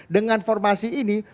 dengan formasi ini